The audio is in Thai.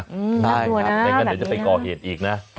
ได้ครับแบบนี้นะค่ะแล้วก็เดี๋ยวจะไปก่อเหตุอีกนะ